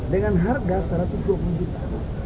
dengan harga sepertinya